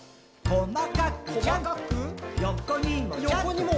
横にも。